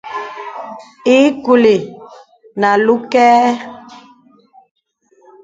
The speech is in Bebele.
Ìì kùlì nə̀ àlū kɛ̄.